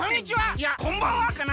いやこんばんはかな。